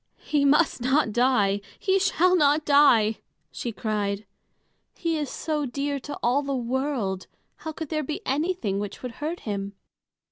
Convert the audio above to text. "He must not die! He shall not die!" she cried. "He is so dear to all the world, how could there be anything which would hurt him?"